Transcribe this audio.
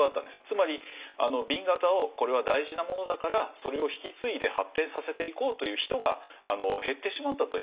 つまり紅型をこれは大事なものだからそれを引き継いで発展させていこうという人が減ってしまったという。